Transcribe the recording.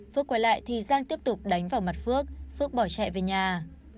phước quay lại thì giang tiếp tục đánh vào mặt phước phước bỏ chạy về nhà